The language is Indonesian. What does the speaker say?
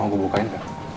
mau gue bukain